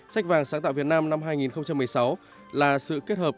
sách vàng sáng tạo việt nam năm hai nghìn một mươi sáu là sự kết hợp